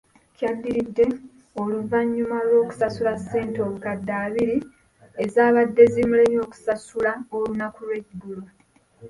Kyadiridde, oluvannyuma lw'okusasula ssente obukadde abiri ezaabadde zimulemye okusasula olunaku lw'eggulo.